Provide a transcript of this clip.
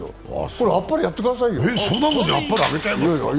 これ、あっぱれ、やってくださいよ。